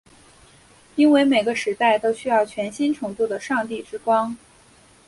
因为每个时代都需要全新程度的上帝之光。